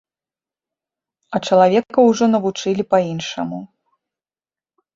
А чалавека ўжо навучылі па-іншаму.